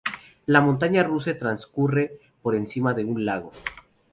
La montaña rusa transcurre por encima de un lago.